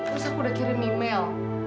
terus aku udah kirim email